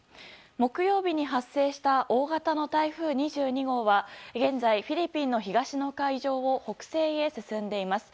木曜日に発生した大型の台風２２号は現在、フィリピンの東の海上を北西へ進んでいます。